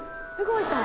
動いた。